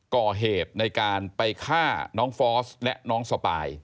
ก่อเหตุในการไปฆ่าน้องฟอสและน้องสปาย